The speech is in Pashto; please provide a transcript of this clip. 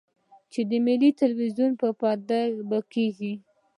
چې د ملي ټلویزیون پر پرده به کېږي.